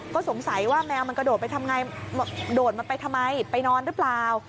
ก็สงสัยแมวมันกระโดดไปทำยังไงโดดไหมไปนอนหรือเปล่า